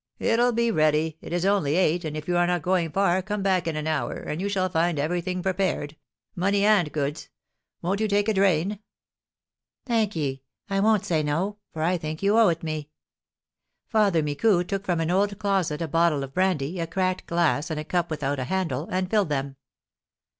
"I'll be ready. It is only eight, and, if you are not going far, come back in an hour, and you shall find everything prepared, money and goods. Won't you take a drain?" "Thank ye, I won't say no, for I think you owe it me." Father Micou took from an old closet a bottle of brandy, a cracked glass, and a cup without a handle, and filled them.